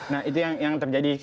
nah itu yang terjadi